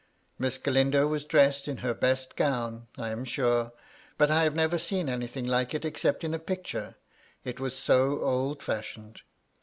Miss Galindo was dressed in her best gown, I am sure, but I had never seen anything like it except in a picture, it was so old fashioned.